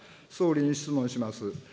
総理に質問します。